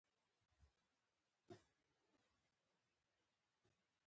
ایا نارینه پایواز اجازه لري؟